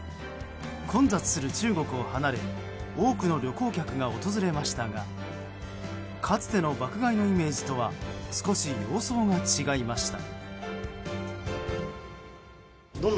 混雑する中国を離れ多くの旅行客が訪れましたがかつての爆買いのイメージとは少し様相が違いました。